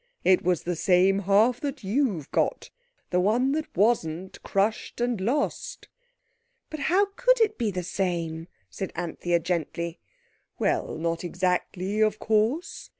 It was the same half that you've got—the one that wasn't crushed and lost." "But how could it be the same?" said Anthea gently. "Well, not exactly, of course.